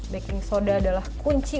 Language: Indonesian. baking soda adalah kunci